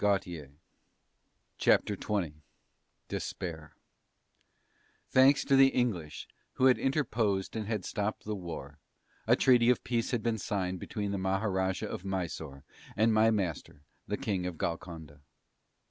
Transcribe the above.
CHAPTER XX DESPAIR Thanks to the English who had interposed and had stopped the War, a Treaty of Peace had been signed between the Maharajah of Mysore and my master, the King of Golconda.